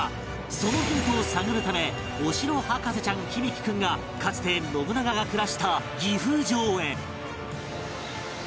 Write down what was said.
そのヒントを探るためお城博士ちゃん響大君がかつて信長が暮らした岐阜城へ